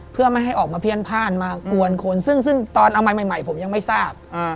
เพื่อไม่ให้ออกมาเพี้ยนพ่านมากวนคนซึ่งตอนเอาใหม่ใหม่ผมยังไม่ทราบ